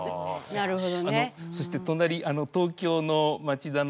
なるほど。